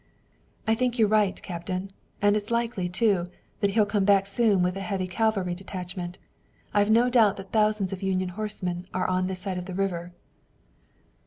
"I think you're right, Captain, and it's likely, too, that he'll come back soon with a heavy cavalry detachment. I've no doubt that thousands of Union horsemen are this side of the river."